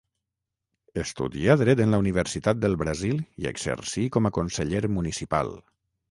Estudià Dret en la Universitat del Brasil i exercí com a conseller municipal.